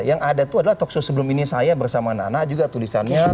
yang ada itu adalah talkshow sebelum ini saya bersama anak anak juga tulisannya